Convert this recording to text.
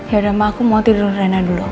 yaudah ma aku mau tidurin rena dulu